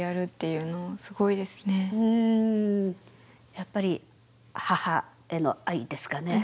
やっぱり母への愛ですかね。